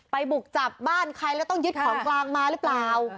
บุกจับบ้านใครแล้วต้องยึดของกลางมาหรือเปล่า